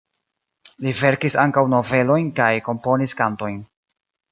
Li verkis ankaŭ novelojn kaj komponis kantojn.